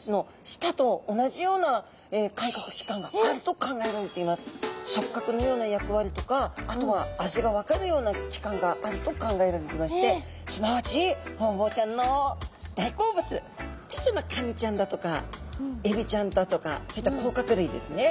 ここの先にはなんと触角のような役割とかあとは味が分かるような器官があると考えられてましてすなわちホウボウちゃんの大好物ちっちゃなカニちゃんだとかエビちゃんだとかそういった甲殻類ですね。